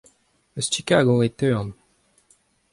Eus Chigago e teuan.